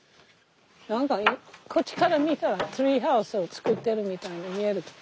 何かこっちから見たらツリーハウスを作ってるみたいに見える。